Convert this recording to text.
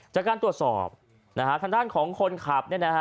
จากการตรวจสอบทางด้านของคนขับ